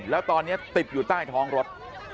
แล้วตอนนี้ติดอยู่ใต้ท้องรถ